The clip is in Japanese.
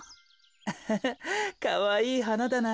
アハハかわいいはなだな。